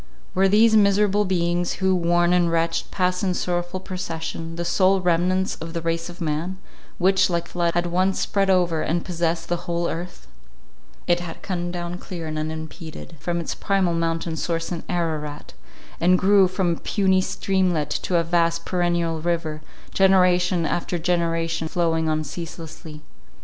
Were these miserable beings, who, worn and wretched, passed in sorrowful procession, the sole remnants of the race of man, which, like a flood, had once spread over and possessed the whole earth? It had come down clear and unimpeded from its primal mountain source in Ararat, and grew from a puny streamlet to a vast perennial river, generation after generation flowing on ceaselessly.